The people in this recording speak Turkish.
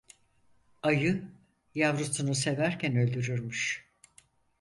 Ayı yavrusunu severken öldürürmüş.